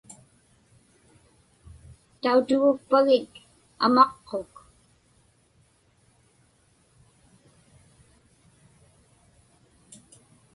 Tautugukpagik amaqquk?